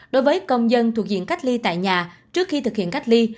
đối với công dân thuộc diện cách ly tại nhà trước khi thực hiện cách ly